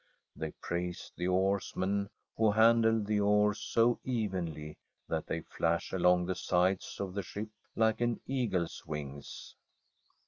They praise the oarsmen, who handle the oars so evenly that they flash along the sides of the ship like an eagle's wings.